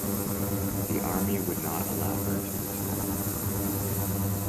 The army would not allow her to return.